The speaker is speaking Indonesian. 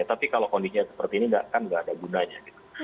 tapi kalau kondisinya seperti ini kan nggak ada gunanya gitu